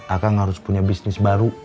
akan harus punya bisnis baru